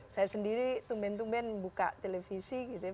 saya sendiri tumben tumben buka televisi gitu ya